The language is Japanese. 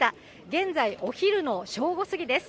現在、お昼の正午過ぎです。